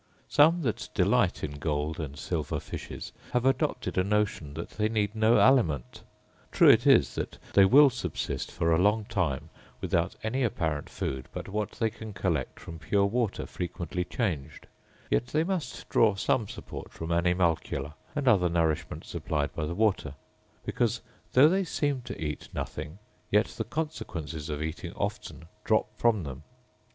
Some that delight in gold and silver fishes have adopted a notion that they need no aliment. True it is that they will subsist for a long time without any apparent food but what they can collect from pure water frequently changed; yet they must draw some support from animalcula, and other nourishment supplied by the water; because, though they seem to eat nothing, yet the consequences of eating often drop from them.